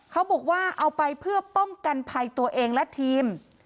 เขาบอกว่าเอาไปเพื่อป้องกันภัยตัวเองและทีม